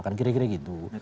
kan kira kira gitu